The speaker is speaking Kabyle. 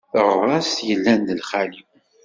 Taɣṛast yellan d lxali.